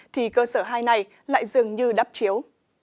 thì cơ sở hai này lại dừng như đắp chiếu